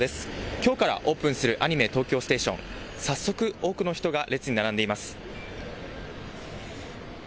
きょうからオープンするアニメ東京ステーション、早速多くの人が列に並んでいます。